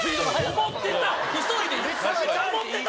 思ってた！